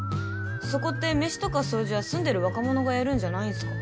そこって飯とか掃除は住んでる若者がやるんじゃないんすか？